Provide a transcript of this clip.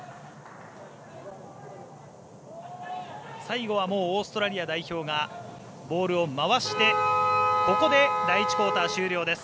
最後はオーストラリア代表がボールを回してここで第１クオーター終了です。